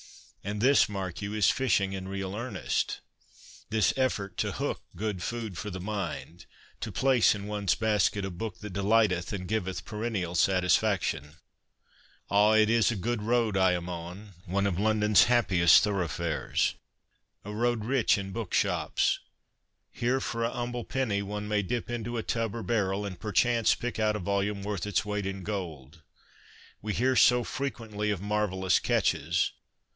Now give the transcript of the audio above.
And this, mark you, is fishing in real earnest, this effort to ' hook ' good food for the mind, to place in one's basket a ' book that delighteth and giveth perennial satisfaction.' Ah ! it is a good road I am on — one of London's happiest thoroughfares — a road rich in book shops. Here for a humble penny one may dip into tub or barrel and perchance pick out a volume worth its weight in gold ! We hear so frequently of mar vellous ' catches.'